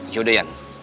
sudah ya ian